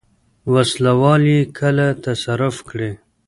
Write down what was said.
وسله وال یې کله تصرف کړي.